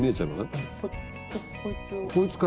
こいつを。